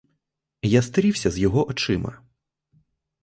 Я стрівся з його очима.